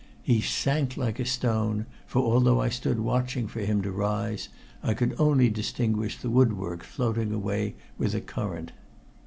He sank like a stone, for although I stood watching for him to rise, I could only distinguish the woodwork floating away with the current.